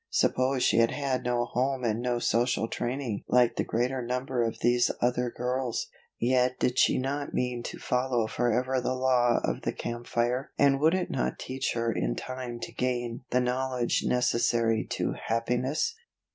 Suppose she had had no home and no social training like the greater number of these other girls, yet did she not mean to follow forever the law of the Camp Fire and would it not teach her in time to gain the knowledge necessary to happiness?